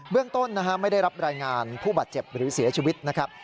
เรื่องต้นไม่ได้รับรายงานผู้บาดเจ็บหรือเสียชีวิตนะครับ